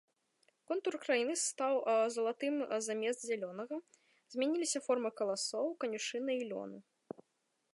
Контур краіны стаў залатым замест зялёнага, змяніліся формы каласоў, канюшыны і лёну.